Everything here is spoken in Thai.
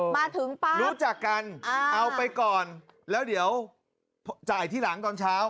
มาถึงปั๊บรู้จักกันเอาไปก่อนแล้วเดี๋ยวจ่ายที่หลังตอนเช้า